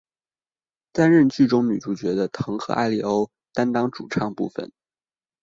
担任剧中女主角的藤和艾利欧担当主唱部分。